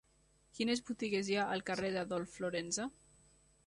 Quines botigues hi ha al carrer d'Adolf Florensa?